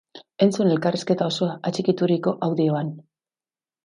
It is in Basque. Entzun elkarrizketa osoa atxikituriko audioan.